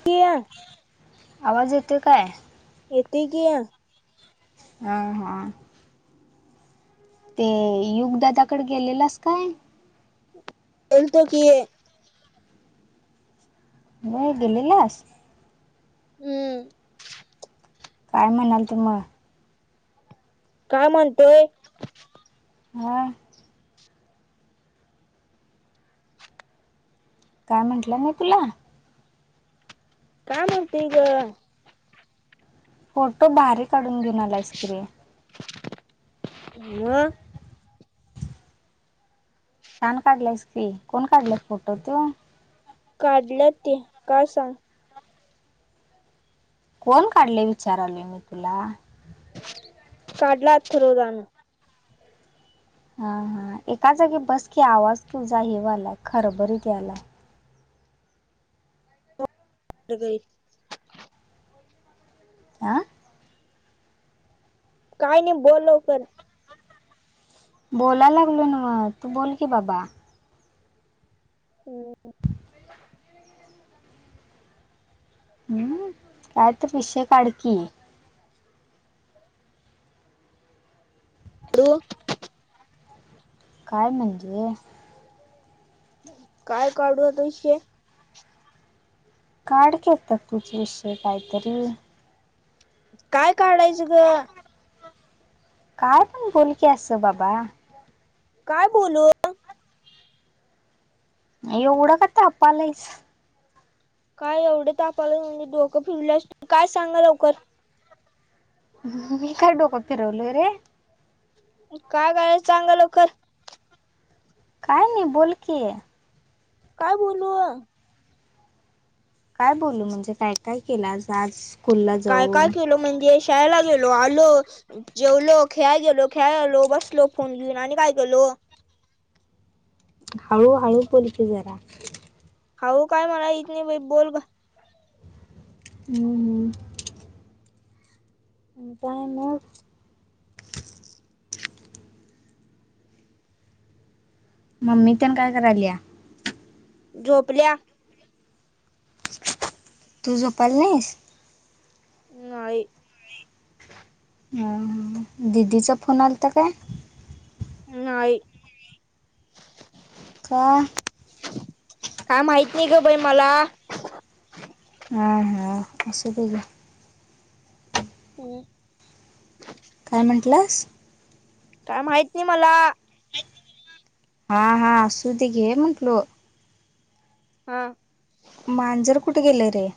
[unintelligible] आवाज येतोय काय? एतोय की हा हा ते युगदादाकडे गेलेलंस काय? गेलतो की नाही गेलेलास हम्म काय म्हणाल तु मग काय म्हणतोय हा काय म्हंटलं नाही तुला काय म्हणते ग? फोटो भारी काढून घेऊन आलायस की रे [unintelligible] छान काढलं की कोण काढला फोटो त्यो काढल्या ते काय सांग कोण काढले विचारालोय मी तुला. काडला अथर्वे दान हा हा एका जागी बसकी आवाज तुझा हे वालाय खरबरीत यालाय. का [unintelligible] आं. काही नाही बोल लवकर बोलाय लागलो ना मग तू बोल की बाबा हम्म [inaudible] हम्म कायतर विषय काडकी अू. काय म्हणजे. काय काढू आता विषय. काढ की आता तुच विषय काहीतरी काय काढायचं ग काय पण बोलकीे अस बाबा काय बोलू. एवढं का तापालहच काय एवढे तापालं म्हणजे डोकं फिरल्या काय सांगा लवकर मी काय डोकं फिरवलोय रे. काय कय चांगा लवकर. काय नाही बोलकी. काय बोलू काय बोलू म्हणजे काय काय केलं आ आज स्कूलला काय काय जाऊन केलो म्हणजे शाळेला गेलो आलो जेवलो खेळा गेलो खेळा आेलो बसलो फोन घेऊन आणि काय केेलो हळू हळू पोलची जरा हाऊ काय मला इथ नाही बोल म काय म मम्मी त्या काय करायल या झोपल्या तुझो पलनेस ह्ई अ दिदीचा फोन आलाता काय नाहीय काहा काय माहित नाही ग बाई मला हा हा असशुबझा ह कानमंट्लास काय माहित नाही मला हा हा असु दे घे म्हंटल हा मांजर कुठे गेलंय रे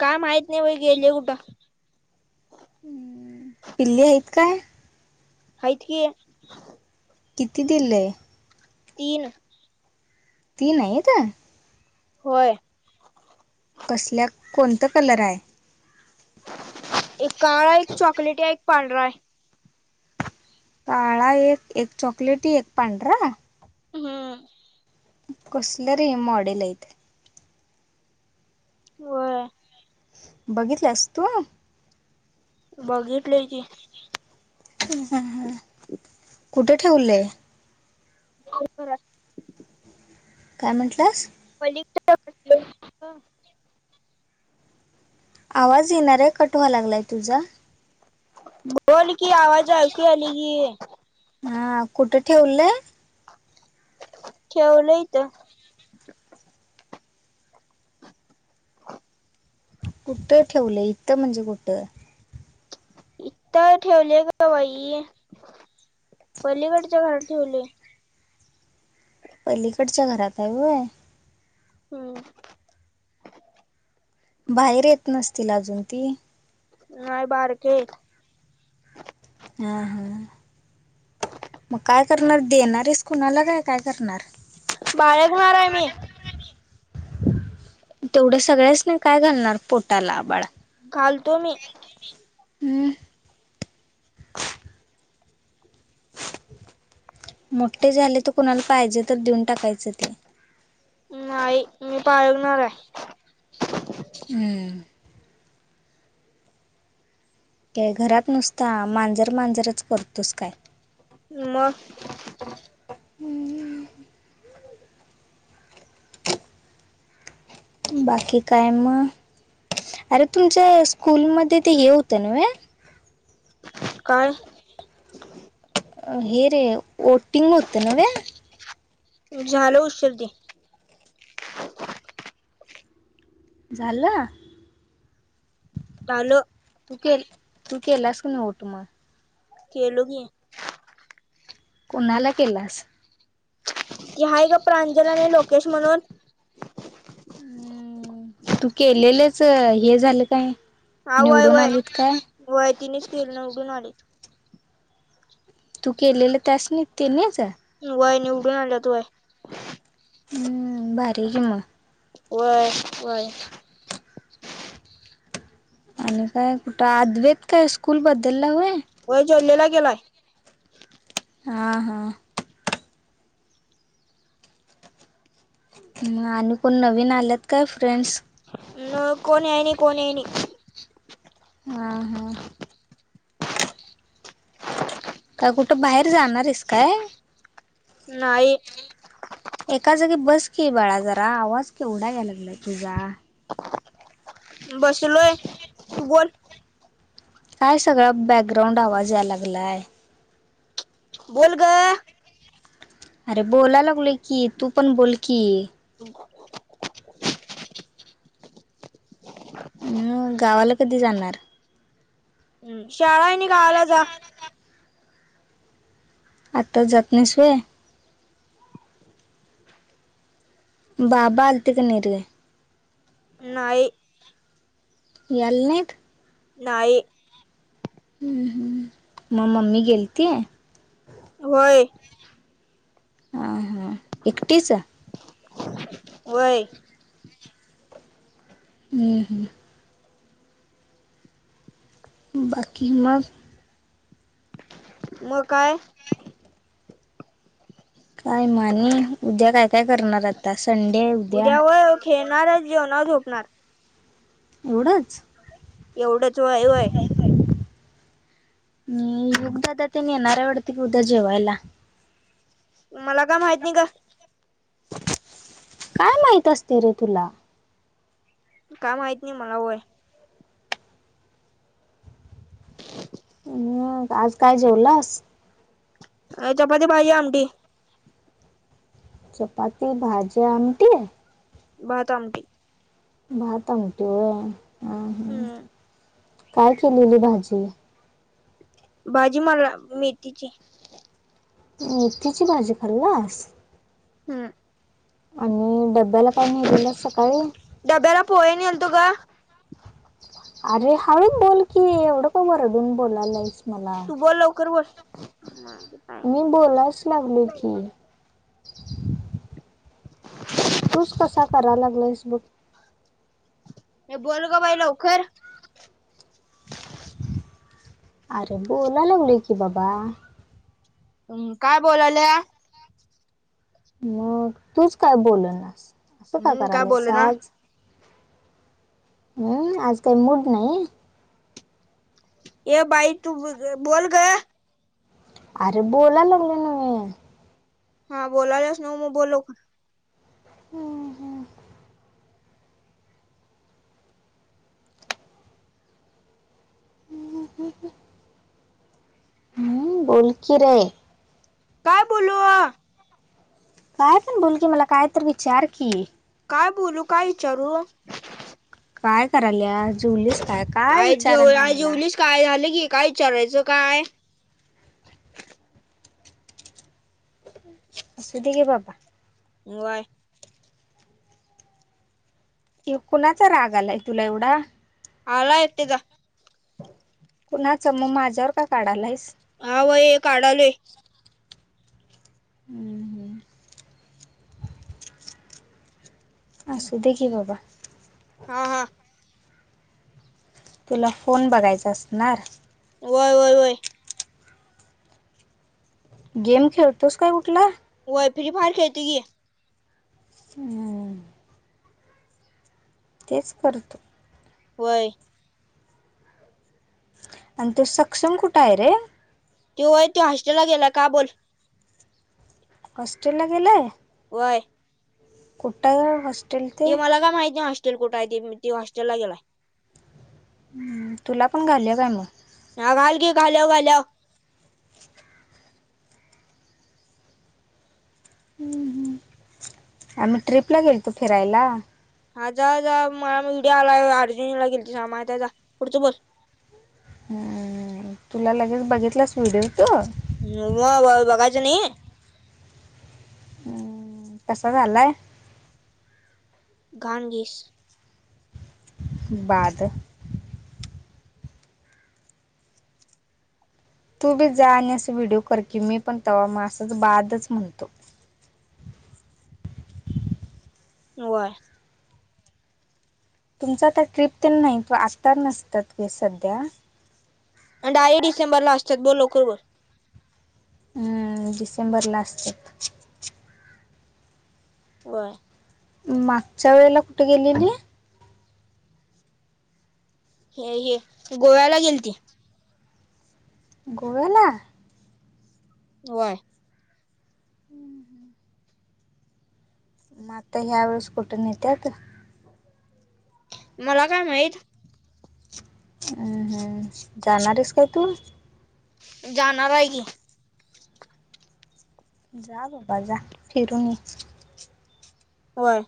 काय माहत नाही व गेले कुठं पिल्ली आहेत काय हाटक किती दिले तीन ती नाहीेत होय कसल्या कोणतं कलर आहे एक काळा एक चॉकलेट या एक पांढरा आहे काळा एक एक चॉकलेटी एक पांढरा हम्म कसलं र हे मॉडेल आहेत वय बघितलंस तू बघितलंय की ह ह कुठे ठेवलेय काय म्हटलास मली आवाज येणार आहे कठवा लागलाय तुझा बोल की आवाज आ क आले गी हा कुठे ठेवलंय केव लयत कुठ ठेवलं इथं म्हणजे कुठं इता ठेवले ग बाई पलीकडच्या घरात ठेवले पलीकडच्या घरात आहेवय हम बाहेर येत नसतील अजून ती नाहीय बारके हा हा मग काय करणार देणार आहेस कुणाला काय काय करणार बाळच मणार आहे मी तेवढं सगळच नाही काय घालणार पोटाला बाळा घालतो मी हम्म ब मोठे झाले तर कुणाला पाहिजे तर देऊन टाकायचं ते नाही मी पाळगणार आहे हम्म घरात नुसता मांजर मांजरच करतोस काय म मग बाकी काय मग अरे तुमच्या स्कूलमध्ये ते हे होतं ना काय अ हे रे ओटिंग होत नवहे झाल उषर्दी झाला लो तूक तूक केलासक न उट म खेलोगी कोणाला केलास ह हा ए का प्रांजलाने लोकेश म्हणून हम तू केलेलंच हे झालं काय हवय निवडून वय आलीत काय वय तिनेच टिर निवडून आले तू केलेलं त्यास नाही ते नाहीच वय निवडून आलं तूय बारी के म वय वयनननन आणि काय कुठं अद्वेत काय स्कूल बद्दलला वय वय जोल्लेला गेलाय हा हा आणि कोण नवीन आल्यात काय फ्रेंड्स कोण येणे कोण येणे हा हा काय कुठं बाहेर जाणार आहेस काय नाहीई एका जागी बस के बाळा जरा आवाज केवढा घ्याय लागला तुझा बसलोय बोल काय सगळा बॅकग्राऊंड आवाज यायला लागलाय बोल ग अरे बोलाय लागलो की तू पण बोल की ह म गावाला कधी जाणार हम्म शाळाही नाही काला जा आताच जात नाहीसवे बाबा आलतीिक नाही रे नाहीय याल्नेत नाही. हम्म हम् म मम्मी गेलती? होय. अ हां एकटीच? होय. हम् हम. बाकी मग? म काय? काय म आणि उद्या काय काय करणार? आता संडे. उद्या होय खेळणार जेवणावर झोपणार. एवढंच. एवढंच वय वय. युगदादाातनी नारयवडती उद्या जेवायला. मला काय माहित नाही ग? काय माहित असते रे तुला? काय माहत नाही मला वय. [unintelligible] म आज काय जेवलास? अ चपती भाजीत आमटी. चपाती भाजी आमटी भात आमटी. भात आमटी व्हाय हम्म हम्म. काय केलेली भाजी? भाजी मला मेथीची. मेथीची भाजी खल्लास? हम. आणि डब्याला काय नेलेलंस सकाळी? डब्याला पोहे नेल्तू ग. अरे हळू बोल की एवढं का वरडून बोलायलायस मला. तू बोल लवकर बोल. मी बोलायच लागलो की. तूस कसा कराय लागलास बग. ये बोल ग बाई लवकर. अरे बोलाला लागलू की बाबा. हम् काय बोलाल? मग तूच काय बोल नास असं काय हम्म बोल करायलाय ना आज? हम्म आज काही मूड नाही. ये भाई तू बोल ग. अरे बोला लागलं नव्हे. हा बोलालोस नव्ह म बोल लवकर. हम्म हम्म. [unintelligible] हम्म बोल की रे. काय बोलू? काय पण बोल की मला काय तर विचार की? काय बोलू काय विचारू? काय करायल्या जुवलीस का. काय जेव आ जेवलीस काय झालं की काय विचारायचं काय. असू दे घे बाबा व्हय. की कुणाचा राग आलाय तुला एवढा? आलाय तिजा कुणाचा मग माझ्यावर का काढालायीस? हा बाई काढालोय? हुं हुं. हा हा. तुला फोन बघायचा असणार? व्हय व्हय व्हय. गेम खेळतोस काय कुठला? व्हय फ्री फायर खेळतोय की अ [unintelligible] तेच कर तू व्हय. आणि त्यो सक्षम कुठ आहे रे? त्यो व्हय तो हॉस्टेलला गेलाय का बोल? हॉस्टेलला गेलाय. व्हय. कुठ हाय ओ होस ते मला काय माहित नाहीे हॉसटेल कुठ आहे ते? हॉस्टेलला गेलाय. हम् तुला पण घालूया काय मग? ह घाल की, घालूया घालुया हम् हम् आम्ही ट्रीपला गेलतो फिरायला. हा जावा जावा मला व्हिडिओ आलाय, अर्जुनीला गेलत्यासा, माहित हाय जा जा पुढच बोल हम्म तुला लगेच बघितलास व्हिडिओ तू म बघायच नाई? हम्म कसा झालाय? घाण घिस बाद. तू बी जा आणि असं व्हिडिओ कर की, मी पण तव्हा आसंच बादच म्हणतो. व्हय. तुमच्या आता ट्रीप तेन नाहीत, आसतात नसतात ते सध्या आणि डायरेक्ट डिसेंबर ला असत्यात, बोल लवकर बोल. हम्म डिसेंबरला असत्यात व्हय. मागच्या वेळेला कुठ गेलेली? हे हे गोव्याला गेलती. गोव्याला व्हय. म आता ह्या वेळेस कुठ नेत्यात? मला काय माहित? हम्म हम्म जाणार हाईस काय तू? जाणार हाय की जा बाबा जा फिरुन ये. व्हय.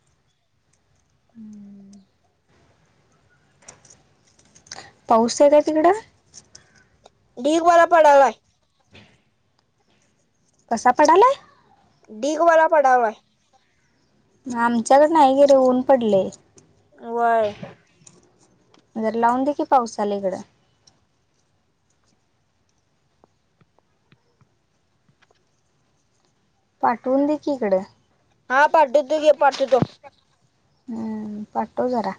हम्म [inaudible] पाऊस आहे काय तिकडं? ढीग बला पडालाय? कसा पडालाय? डीगवाला पडालाय आमच्याकड नाही गरे ऊन पडले वय जर लावून दे की पाऊस आला इकडं पाठवून दे क इकडें हा पटवतो घे पटवतो ह पाटो जरा